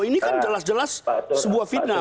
ini kan jelas jelas sebuah fitnah